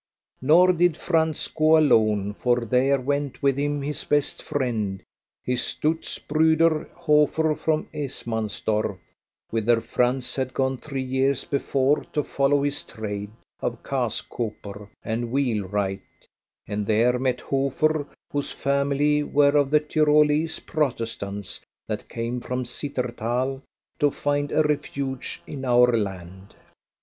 Nor did Franz go alone, for there went with him his best friend, his dutz brüder, Hofer, from Esmansdorff, whither Franz had gone three years before to follow his trade of cask cooper and wheelwright, and there met Hofer, whose family were of the Tyrolese Protestants that came from Zitterthal to find a refuge in our land.